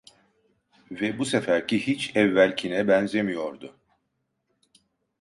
Ve bu seferki hiç evvelkine benzemiyordu.